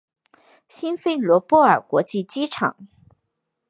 辛菲罗波尔国际机场。